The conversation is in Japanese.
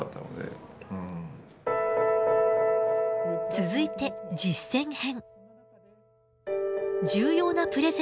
続いて実践編。